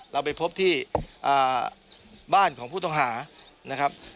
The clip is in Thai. เราไปพบที่บ้านของผู้ต้องหานะครับ